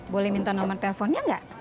boleh minta nomer teleponnya enggak